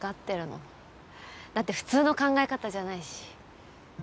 だって普通の考え方じゃないし。